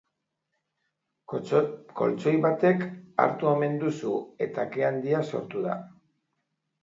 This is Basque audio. Koltxoi batek hartu omen du su, eta ke handia sortu da.